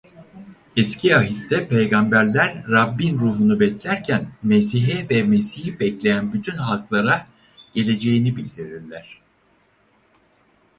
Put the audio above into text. Eski Ahit'te Peygamberler Rab'bin Ruhu'nu beklerken Mesih'e ve Mesih'i bekleyen bütün halklara geleceğini bildirirler.